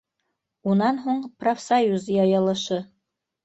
Унан һуң профсоюз йыйылышы.